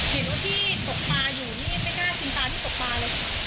เห็นว่าพี่ตกปลาอยู่นี่ไม่กล้าชิมตาที่ตกปลาเลย